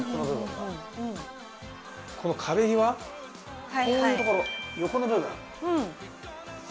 この壁際こういう所横の部分スッと入る。